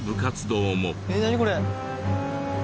これ。